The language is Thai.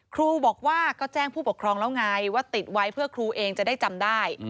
ครูบอกว่าก็แจ้งผู้ปกครองแล้วไงว่าติดไว้เพื่อครูเองจะได้จำได้